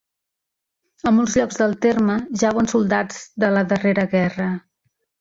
A molts llocs del terme jauen soldats de la darrera guerra.